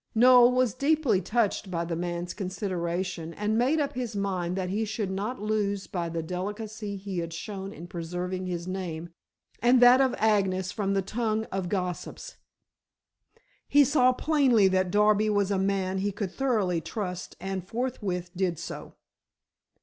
Noel was deeply touched by the man's consideration and made up his mind that he should not lose by the delicacy he had shown in preserving his name and that of Agnes from the tongue of gossips. He saw plainly that Darby was a man he could thoroughly trust and forthwith did so.